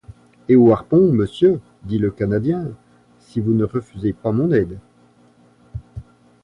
Et au harpon, monsieur, dit le Canadien, si vous ne refusez pas mon aide.